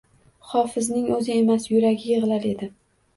Hofizning o’zi emas, yuragi yig’lar edi.